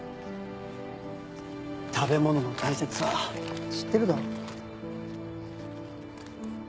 食べ物の大切さ知ってるだろ。